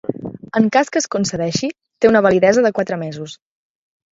En cas que es concedeixi, té una validesa de quatre mesos.